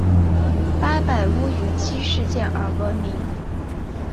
八百屋于七事件而闻名。